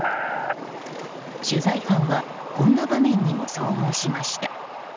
取材班はこんな場面にも遭遇しました。